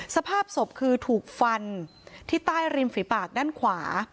สภาพศพคือถูกฟันที่ใต้ริมฝีปากด้านขวา